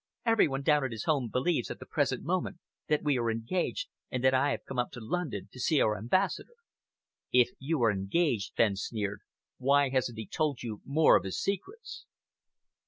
Every one down at his home believes at the present moment that we are engaged and that I have come up to London to see our Ambassador." "If you are engaged," Fenn sneered, "why hasn't he told you more of his secrets?"